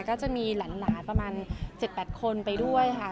ก็จะมีหลานประมาณ๗๘คนไปด้วยค่ะ